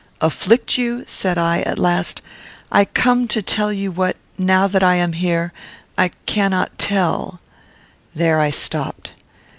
"Afflict you?" said I, at last; "I come to tell you what, now that I am here, I cannot tell " There I stopped.